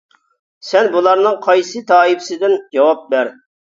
سەن بۇلارنىڭ قايسى تائىپىسىدىن؟ جاۋاب بەر!